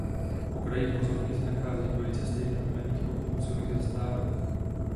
Po krajích vozovky se nachází dvojice stejnojmenných autobusových zastávek.